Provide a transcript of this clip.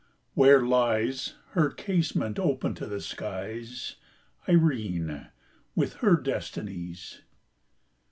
where lies (Her casement open to the skies) Irene, with her Destinies!